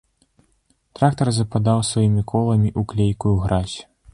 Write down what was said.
Трактар западаў сваімі коламі ў клейкую гразь.